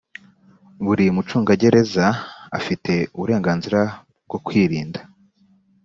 buri mucungagereza afite uburenganzira bwo kwirinda.